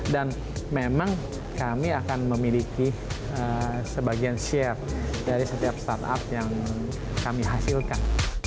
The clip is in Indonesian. dan memang kami akan memiliki sebagian share dari setiap startup yang kami hasilkan